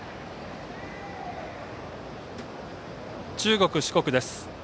中国・四国です。